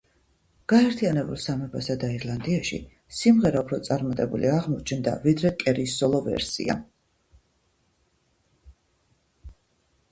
გაერთიანებულ სამეფოსა და ირლანდიაში სიმღერა უფრო წარმატებული აღმოჩნდა, ვიდრე კერის სოლო ვერსია.